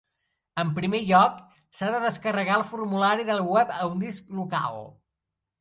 En primer lloc, s'ha de descarregar el formulari del web a un disc local.